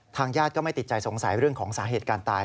ญาติก็ไม่ติดใจสงสัยเรื่องของสาเหตุการณ์ตาย